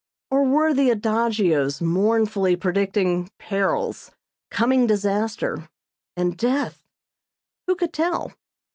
Or were the adagios mournfully predicting perils, coming disaster and death? Who could tell?